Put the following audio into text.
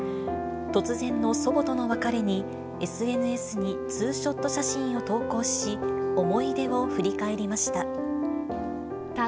突然の祖母との別れに、ＳＮＳにツーショット写真を投稿し、思い出を振り返りました。